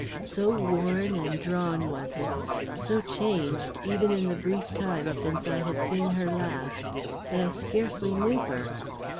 So worn and drawn was it, so changed even in the brief time since I had seen her last, that I scarcely knew her.